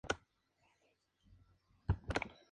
Wittenberg dejó una guarnición en Poznan.